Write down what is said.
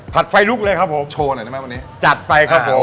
ไฟลุกเลยครับผมโชว์หน่อยได้ไหมวันนี้จัดไปครับผม